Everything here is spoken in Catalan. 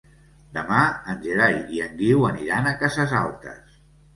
Demà en Gerai i en Guiu aniran a Cases Altes.